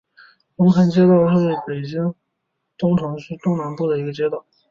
龙潭街道是北京市东城区东南部的一个街道。